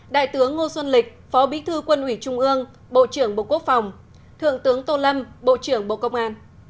đại tướng ngô xuân lịch phó bí thư quân ủy trung ương bộ trưởng bộ quốc phòng thượng tướng tô lâm bộ trưởng bộ công an